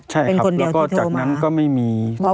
ใช่ครับแล้วก็จากนั้นก็ไม่มีติดต่อมาเลย